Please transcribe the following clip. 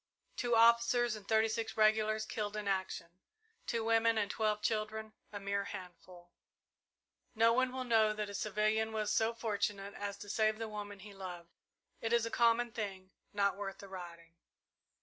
Two officers and thirty six regulars killed in action, two women and twelve children a mere handful. No one will know that a civilian was so fortunate as to save the woman he loved. It is a common thing not worth the writing."